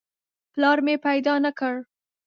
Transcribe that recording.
پلار مې پیدا نه کړ.